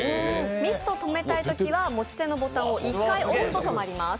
ミストを止めたいときは、持ち手のボタンを１回押すと止まります。